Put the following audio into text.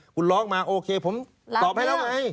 คุณร้องมาโอเคผมตอบให้แล้วไง